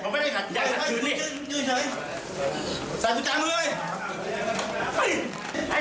ไม่ให้จับนะ